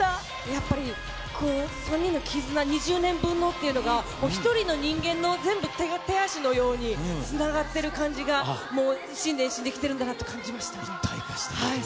やっぱり、３人の絆、２０年分のっていうのが、もう１人の人間の全部、手足のように、つながってる感じが、もう以心伝心できてるんだなって感じました。